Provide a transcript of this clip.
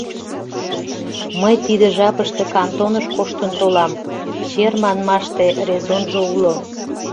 Мый тиде жапыште кантоныш коштын толамЧер манмаште, резонжо уло.